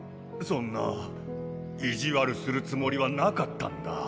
そんな意地悪するつもりはなかったんだ。